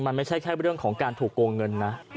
มันไม่ใช่แค่เรื่องของการถูกโกงเงินนะ